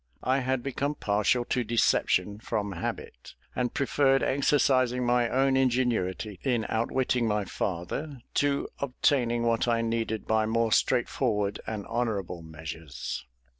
I had become partial to deception from habit, and preferred exercising my own ingenuity in outwitting my father, to obtaining what I needed by more straightforward and honourable measures.